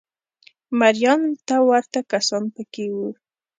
مریانو ته ورته کسان په کې وو